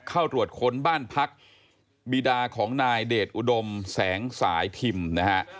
เข้าตรวจค้นบ้านพักบีดาของนายเดชอุดมแสงสายทิมนะฮะ